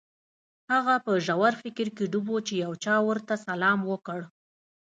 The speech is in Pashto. هغه په ژور فکر کې ډوب و چې یو چا ورته سلام وکړ